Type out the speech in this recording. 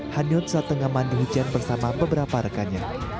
hanyut saat tengah mandi hujan bersama beberapa rekannya